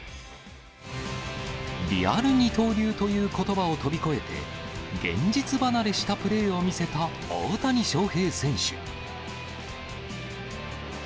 リアル二刀流ということばを飛び越えて、現実離れしたプレーを見せた大谷翔平選手。